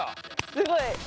すごい。